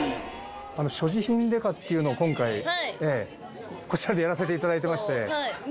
所持品デカっていうのを今回こちらでやらせていただいてまして。